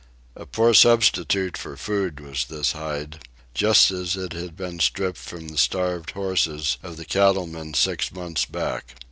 A poor substitute for food was this hide, just as it had been stripped from the starved horses of the cattlemen six months back.